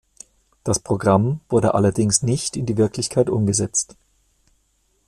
Das Programm wurde allerdings nicht in die Wirklichkeit umgesetzt.